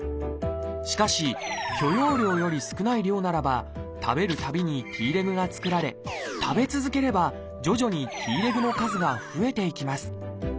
しかし許容量より少ない量ならば食べるたびにＴレグが作られ食べ続ければ徐々にＴレグの数が増えていきます。